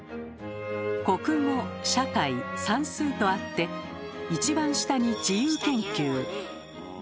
「国語」「社会」「算数」とあって一番下に「自由研究」。